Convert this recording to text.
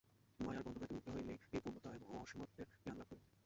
মায়ার বন্ধন হইতে মুক্ত হইলেই এই পূর্ণত্ব ও অসীমত্বের জ্ঞান লাভ করিব।